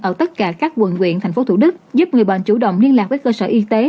ở tất cả các quận huyện tp thủ đức giúp người bệnh chủ động liên lạc với cơ sở y tế